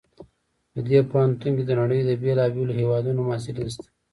په دې پوهنتون کې د نړۍ د بیلابیلو هیوادونو محصلین شته